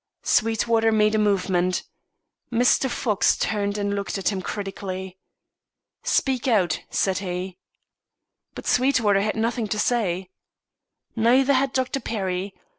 Sweetwater made a movement. Mr. Fox turned and looked at him critically. "Speak out," said he. But Sweetwater had nothing to say. Neither had Dr. Perry.